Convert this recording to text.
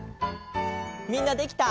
みんなできた？